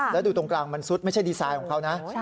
แล้วดูตรงกลางมันซุดไม่ใช่ดีไซน์ของเขานะ